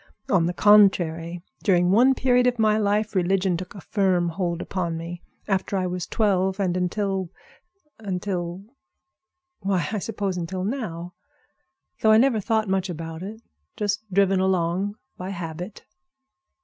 On the contrary, during one period of my life religion took a firm hold upon me; after I was twelve and until—until—why, I suppose until now, though I never thought much about it—just driven along by habit.